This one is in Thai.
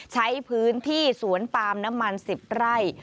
ใช้พื้นที่สวนปาล์มน้ำมัน๑๐ไร่